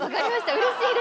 うれしいです。